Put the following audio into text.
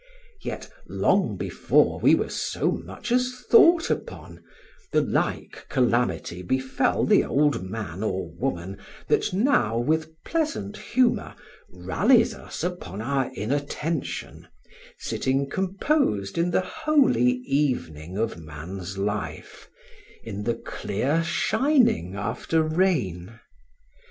Yet long before we were so much as thought upon, the like calamity befell the old man or woman that now, with pleasant humour, rallies us upon our inattention, sitting composed in the holy evening of man's life, in the clear shining after rain.